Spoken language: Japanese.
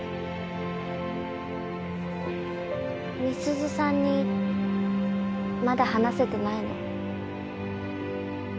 美鈴さんにまだ話せてないの？